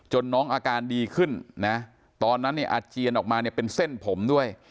จนน้องอาการดีขึ้นตอนนั้นอาจเจียนออกมาเป็นเส้นผมด้วย